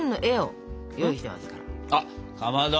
あっかまど！